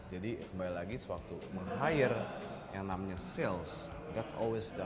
jadi kembali lagi sewaktu meng hire yang namanya sales itu selalu bagian yang paling sukar